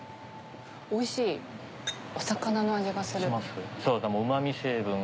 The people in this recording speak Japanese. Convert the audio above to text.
おいしいお魚の味がする。